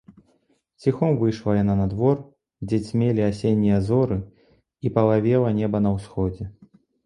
Ціхом выйшла яна на двор, дзе цьмелі асеннія зоры і палавела неба на ўсходзе.